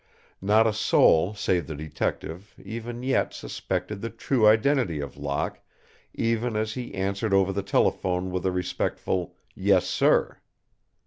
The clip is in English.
Not a soul save the detective, even yet, suspected the true identity of Locke, even as he answered over the telephone with a respectful, "Yes, sir."